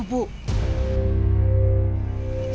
seperti itu bu